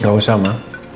gak usah ma